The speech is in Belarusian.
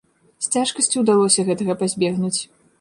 З цяжкасцю ўдалося гэтага пазбегнуць.